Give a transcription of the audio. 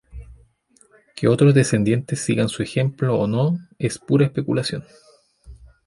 Que otros descendientes sigan su ejemplo o no es pura especulación.